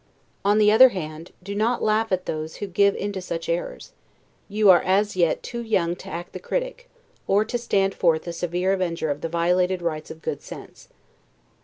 On the other hand, do not laugh at those who give into such errors; you are as yet too young to act the critic, or to stand forth a severe avenger of the violated rights of good sense.